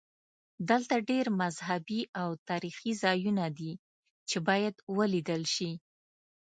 دلته ډېر مذهبي او تاریخي ځایونه دي چې باید ولیدل شي.